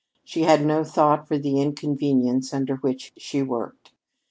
She had no thought for the inconvenience under which she worked.